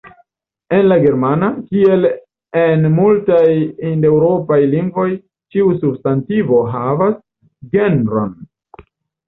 En la germana, kiel en multaj hindeŭropaj lingvoj, ĉiu substantivo havas genron.